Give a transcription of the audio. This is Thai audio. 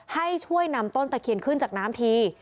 ให้ช่วยนำต้นตะเคียนขึ้นจากน้ำที